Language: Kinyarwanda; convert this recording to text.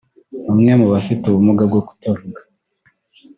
ni umwe mu bafite ubumuga bwo kutavuga